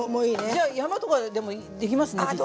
じゃあ山とかでもできますねきっと。